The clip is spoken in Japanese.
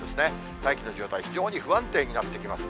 大気の状態、非常に不安定になってきます。